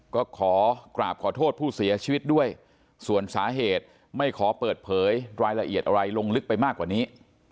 ก็ขอกราบขอโทษผู้เสียชีวิตด้วยส่วนสาเหตุไม่ขอเปิดเผยรายละเอียดอะไรลงลึกไปมากกว่านี้